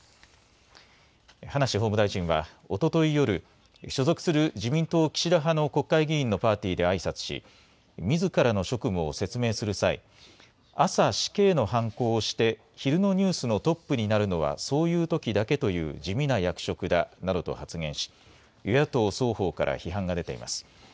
葉梨法務大臣はおととい夜、所属する自民党岸田派の国会議員のパーティーであいさつし、みずからの職務を説明する際、朝、死刑のはんこを押して昼のニュースのトップになるのは、そういうときだけという地味な役職だなどと発言し、与野党双方から批判が出ています。